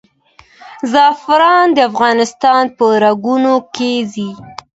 زعفران د افغانستان په رګونو کې ځي.